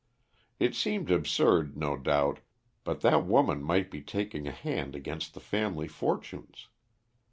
It seemed absurd, no doubt, but that woman might be taking a hand against the family fortunes.